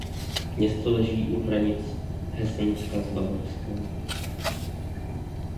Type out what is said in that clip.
Město leží u hranic Hesenska s Bavorskem.